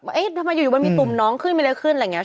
เอ๊ะทำไมอยู่มันมีตุ่มน้องขึ้นมีอะไรขึ้นอะไรอย่างนี้